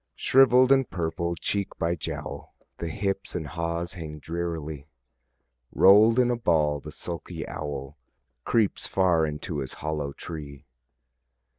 Shrivell'd and purple, cheek by jowl, The hips and haws hang drearily; Roll'd in a ball the sulky owl Creeps far into his hollow tree.